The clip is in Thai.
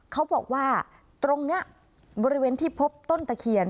เขาบอกว่าตรงนี้บริเวณที่พบต้นตะเคียน